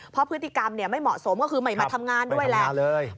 เพราะพฤติกรรมไม่เหมาะสมก็คือไม่มาทำงานด้วยแหละ